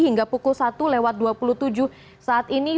hingga pukul satu lewat dua puluh tujuh saat ini